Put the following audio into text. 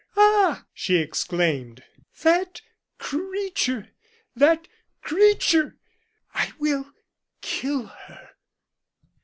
"Ah!" she exclaimed, "that creature! that creature! I will kill her!"